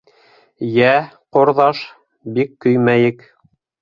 — Йә, ҡорҙаш, бик көймәйек.